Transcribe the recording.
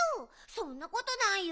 そんなことないよ。